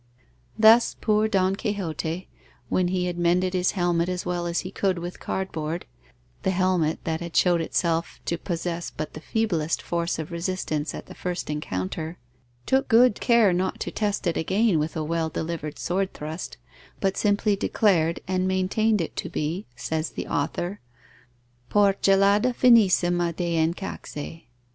Thus poor Don Quixote, when he had mended his helmet as well as he could with cardboard the helmet that had showed itself to possess but the feeblest force of resistance at the first encounter, took good care not to test it again with a well delivered sword thrust, but simply declared and maintained it to be (says the author) por celada finisima de encaxe.